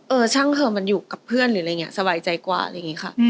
ช่างเธอมันอยู่กับเพื่อนหรืออะไรอย่างนี้สบายใจกว่าอะไรอย่างนี้ค่ะ